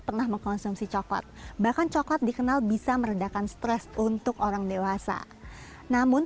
pernah mengkonsumsi coklat bahkan coklat dikenal bisa meredakan stres untuk orang dewasa namun